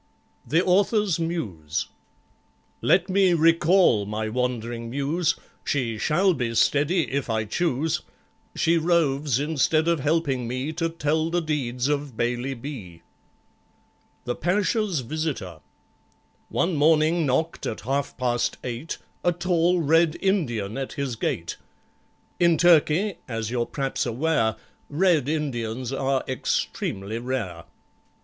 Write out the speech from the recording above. The Author's Muse Let me recall my wandering Muse; She shall be steady if I choose— She roves, instead of helping me To tell the deeds of BAILEY B. The Pasha's Visitor One morning knocked, at half past eight, A tall Red Indian at his gate. In Turkey, as you're p'raps aware, Red Indians are extremely rare.